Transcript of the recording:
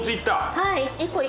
はい。